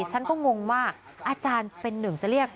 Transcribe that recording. ฉันก็งงว่าอาจารย์เป็นหนึ่งจะเรียก